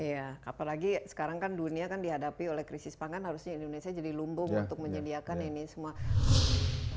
iya apalagi sekarang kan dunia kan dihadapi oleh krisis pangan harusnya indonesia jadi lumbung untuk menyediakan ini semua